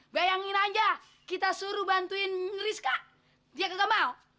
bayangin aja kita suruh bantuin rizka dia enggak mau